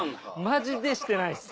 マジでしてないです！